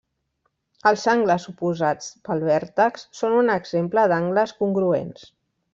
Els angles oposats pel vèrtex són un exemple d'angles congruents.